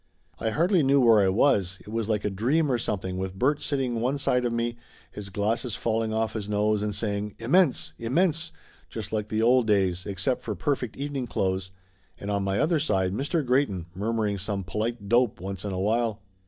I hardly knew where I was, it was like a dream or something with Bert sit ting one side of me, his glasses falling off his nose and saying, "Immense! Immense!" just like the old days except for perfect evening clothes, and on my other side Mr. Greyton murmuring some polite dope once in a while.